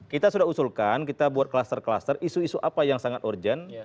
kita sudah usulkan kita buat kluster kluster isu isu apa yang sangat urgent